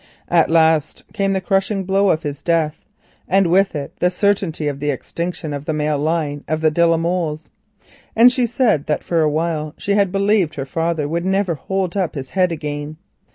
At last came the crushing blow of his death, and with it the certainty of the extinction of the male line of the de la Molles, and she said that for a while she had believed her father would never hold up his head again.